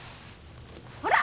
ほら！